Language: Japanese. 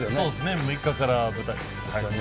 ６日から舞台ですね。